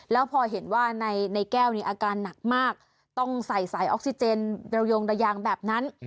แล้วพอเห็นว่าในแก้วนี้อาการหนักมากต้องใส่สายออกซิเจนระยงระยางแบบนั้น